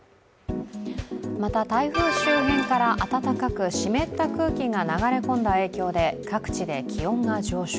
また、台風周辺から温かく湿った空気が流れ込んだ影響で、各地で気温が上昇。